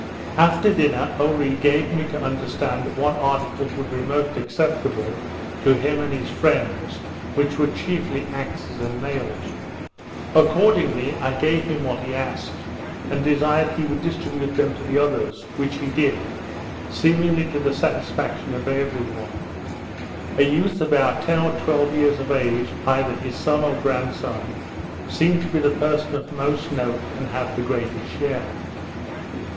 After dinner Oree gave me to understand what articles would be most acceptable to him and his friends, which were chiefly axes and nails. Accordingly I gave him what he asked, and desired he would distribute them to the others, which he did, seemingly to the satisfaction of every one. A youth about ten or twelve years of age, either his son or grandson, seemed to be the person of most note, and had the greatest share.